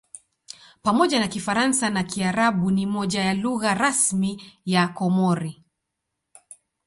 Pamoja na Kifaransa na Kiarabu ni moja ya lugha rasmi ya Komori.